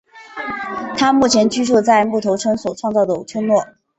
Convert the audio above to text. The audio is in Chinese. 他目前居住在木头村所创造的村落。